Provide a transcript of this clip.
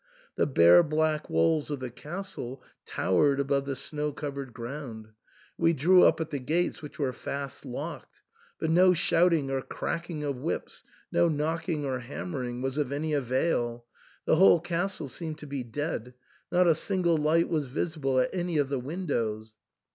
The bare black walls of the castle towered above the snow covered ground ; we drew up at the gates, which were fast locked. But no shouting or cracking of whips, no knocking or ham mering, was of any avail ; the whole castle seemed to be dead ; not a single light was visible at any of the windows.